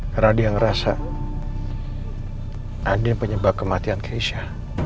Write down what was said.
karena dia ngerasa andin penyebab kematian keisha